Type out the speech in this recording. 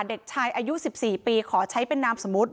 เด็กชายอายุ๑๔ปีขอใช้เป็นนามสมมุติ